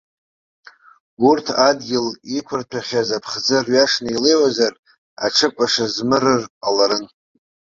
Урҭ адгьыл иқәырҭәахьаз аԥхӡы рҩашны илеиуазар, аҽыкәаша змырыр ҟаларын.